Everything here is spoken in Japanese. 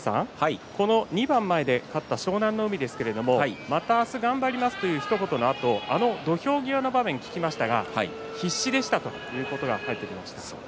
２番前で勝った湘南乃海ですがまた明日頑張りますというひと言のあと土俵際の場面を聞きましたら必死でしたという言葉が返ってきました。